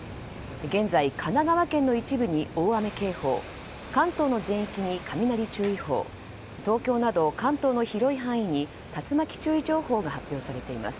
現在神奈川県の一部に大雨警報関東の全域に雷注意報東京など関東の広い範囲に竜巻注意情報が発表されています。